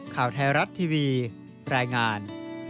ข่าวไทยรัฐทีวีรายงาน